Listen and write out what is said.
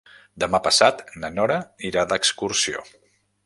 Demà passat na Nora irà d'excursió.